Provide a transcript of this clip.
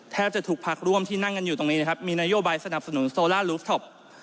จะถูกพักร่วมที่นั่งกันอยู่ตรงนี้นะครับมีนโยบายสนับสนุนโซล่าลูฟท็อป